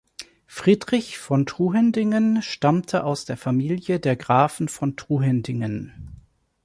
Friedrich von Truhendingen stammte aus der Familie der Grafen von Truhendingen.